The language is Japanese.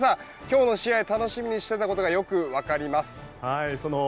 今日の試合を楽しみにしてたことがよくわかります。